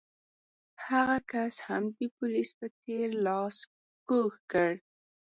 هغه کس هم د پولیس په څېر لاس کوږ کړ.